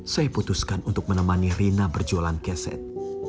saya putuskan untuk menemani rina berjualan keset